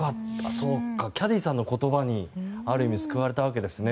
キャディーさんの言葉にある意味、救われたわけですね。